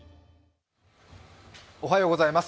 おはようございます。